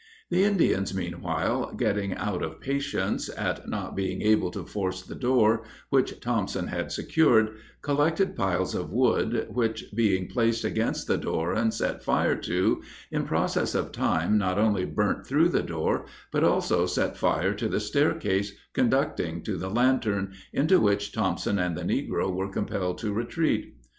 The Indians meanwhile getting out of patience, at not being able to force the door, which Thompson had secured, collected piles of wood, which, being placed against the door and set fire to, in process of time not only burnt through the door, but also set fire to the stair case conducting to the lantern, into which Thompson and the negro were compelled to retreat.